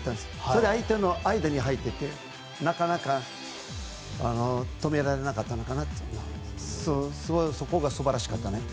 それで相手の間に入っていってなかなか止められなかったのかなとそこが素晴らしかったね。